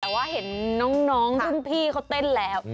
แต่ว่าเห็นน้องรุ่นพี่เขาเต้นแล้ว